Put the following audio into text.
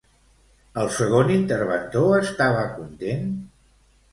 El segon interventor estava content?